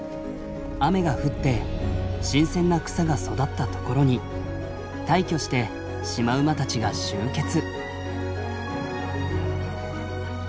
雨が降って新鮮な草が育った所に大挙してシマウマたちが集結。